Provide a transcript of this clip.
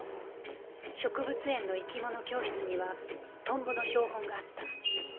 植物園の生き物教室にはトンボの標本があった。